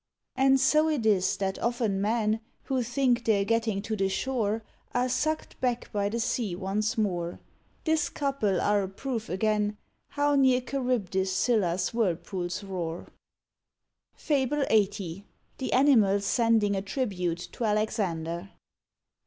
And so it is, that often men Who think they're getting to the shore, Are sucked back by the sea once more. This couple are a proof again How near Charybdis Scylla's whirlpools roar. FABLE LXXX. THE ANIMALS SENDING A TRIBUTE TO ALEXANDER.